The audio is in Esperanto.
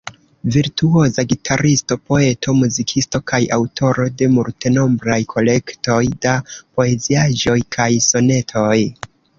Virtuoza gitaristo, poeto, muzikisto kaj aŭtoro de multenombraj kolektoj da poeziaĵoj kaj sonetoj.